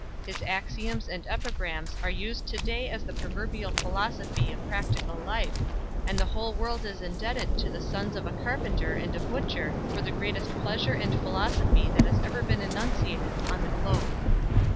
His axioms and epigrams are used to day as the proverbial philosophy of practical life, and the whole world is indebted to the sons of a carpenter and a butcher for the greatest pleasure and philosophy that has ever been enunciated on the globe!